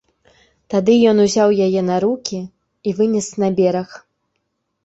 Тады ён узяў яе на рукі і вынес на бераг.